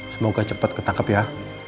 semoga cepet ketangkep ya